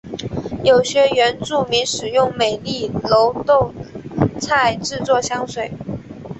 有些原住民使用美丽耧斗菜制作香水。